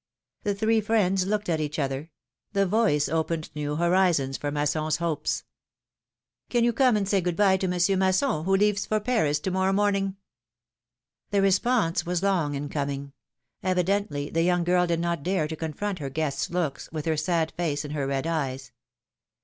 The three friends looked at each other; the voice opened new horizons for Masson's hopes. ^^Can you come and say good bye to Monsieur Masson, who leaves for Paris to morrow morning?" The response was long in coming ; evidently the young girl did not dare to confront her guest's looks, with her sad face, and her red eyes.